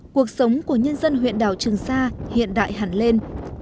cuộc sống của nhân dân huyện đảo trường sa hiện đại hẳn lên